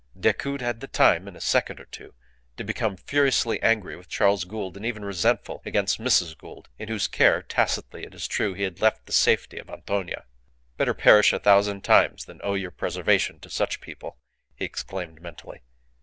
Decoud had the time in a second or two to become furiously angry with Charles Gould, and even resentful against Mrs. Gould, in whose care, tacitly it is true, he had left the safety of Antonia. Better perish a thousand times than owe your preservation to such people, he exclaimed mentally.